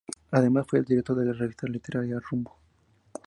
Además, fue director de la revista literaria "Rumbo".